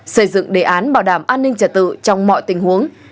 xây dựng đề án bảo đảm an ninh trả tự trong mọi tình huống